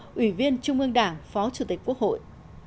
nguyễn trung ương đảng phó chủ tịch quốc hội